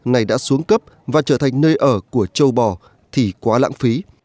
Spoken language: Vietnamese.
này đã xuống cấp và trở thành nơi ở của châu bò thì quá lãng phí